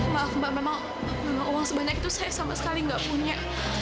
maaf mbak memang uang sebanyak itu saya sama sekali nggak punya